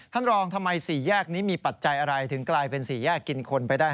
ท่านรองทำไม๔แยกนี้มีปัจจัยอะไรถึงกลายเป็นสี่แยกกินคนไปได้